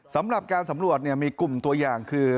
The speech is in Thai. สำหรับการสำรวจมีกลุ่มตัวอย่างคือ